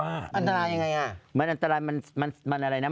อันตรายยังไงอะ